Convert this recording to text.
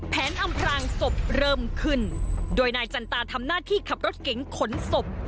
อำพลางศพเริ่มขึ้นโดยนายจันตาทำหน้าที่ขับรถเก๋งขนศพ